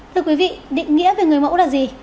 thưa quý vị định nghĩa về người mẫu là gì